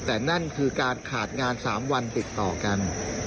แต่นั่นคือการขาดงาน๓วันติดต่อกัน